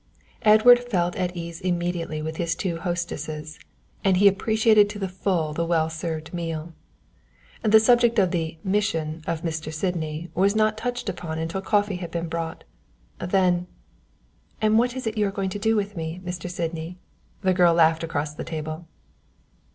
Edward felt at ease immediately with his two hostesses, and he appreciated to the full the well served meal. The subject of the "mission" of Mr. Sydney was not touched upon until coffee had been brought, then "And what is it you are going to do with me, Mr. Sydney?" the girl laughed across the table.